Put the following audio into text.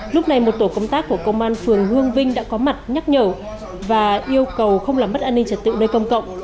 lúc này một tổ công tác của công an phường hương vinh đã có mặt nhắc nhở và yêu cầu không làm mất an ninh trật tự nơi công cộng